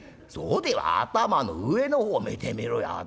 そうでは頭の上の方見てみろや」。